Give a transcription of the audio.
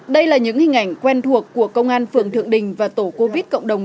đây là những hình ảnh quen thuộc của công an phường thượng đình và tổ covid cộng đồng